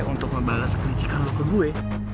untuk ngebalas kerincikan lo ke gue